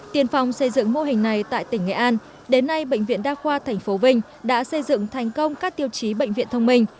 tiên phong xây dựng mô hình này tại tỉnh nghệ an đến nay bệnh viện đa khoa tp vinh đã xây dựng thành công các tiêu chí bệnh viện thông minh